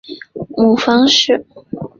母方氏。